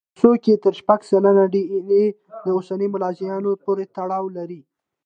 دینسووا کې تر شپږ سلنې ډياېناې د اوسني ملانزیایانو پورې تړاو لري.